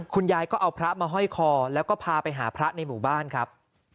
คุณยายก็เอาพระมาห้อยคอแล้วก็พาไปหาพระในหมู่บ้านครับ